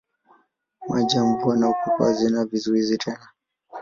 Maji ya mvua na upepo hazina vizuizi tena.